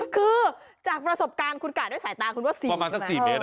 คือจากประสบการณ์คุณกะโดยสายตาคุณว่า๔เมตร